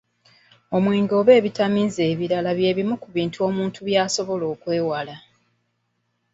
Omwenge oba ebitamiiza ebirala bye bimu ku bintu omuntu by’asobola okwewala.